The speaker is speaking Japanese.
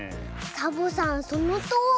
サボさんそのとおり！